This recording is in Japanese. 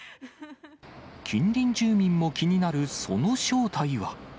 近隣住民も気になるその正体は。